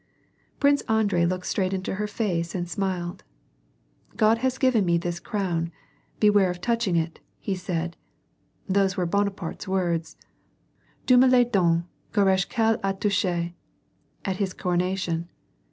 Prince Andrei looked straight into her face and smiled. " God has given me this crown ; beware of touching it," he said (these were Bonaparte's words, Dieu me la danne, gare a qui la touche, at his coronation).